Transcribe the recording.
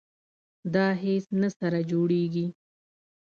دا هیڅ نه سره جوړیږي.